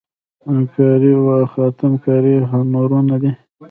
میناکاري او خاتم کاري هنرونه دي.